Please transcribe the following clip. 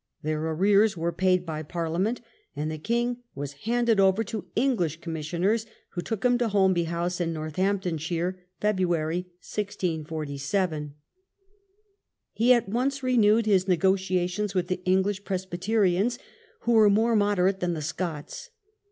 Their arrears were paid by Parliament, and the king was handed over to English commissioners, who took him to Holmby House, in Northamptonshire, February, 1647. He at once renewed his negotiations with the English Presbyterians, who were more moderate than the Scots.